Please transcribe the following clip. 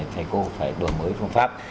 thầy cô phải đổi mới phương pháp